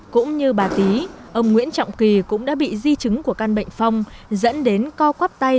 cũng như bà tý ông nguyễn trọng kỳ cũng đã bị di chứng của căn bệnh phong dẫn đến co cắp tay